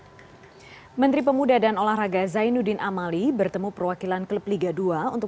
hai menteri pemuda dan olahraga zainuddin amali bertemu perwakilan klub liga dua untuk